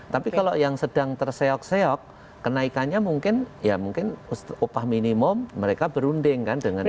tapi kalau yang sedang terseok seok kenaikannya mungkin ya mungkin upah minimum mereka berunding kan dengan